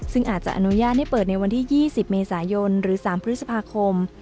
ซึ่งอาจจะอนุญาตให้เปิดในวันที่๒๐เมษายนหรือ๓พฤษภาคม